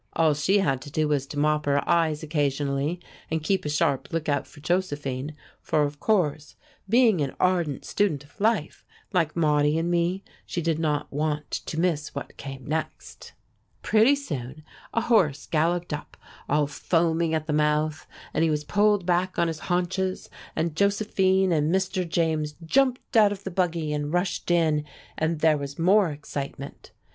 All she had to do was to mop her eyes occasionally and keep a sharp lookout for Josephine; for of course, being an ardent student of life, like Maudie and me, she did not want to miss what came next. Pretty soon a horse galloped up, all foaming at the mouth, and he was pulled back on his haunches, and Josephine and Mr. James jumped out of the buggy and rushed in, and there was more excitement.